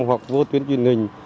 hoặc vô tuyến truyền